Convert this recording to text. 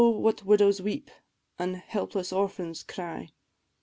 what widows weep, an' helpless orphans cry!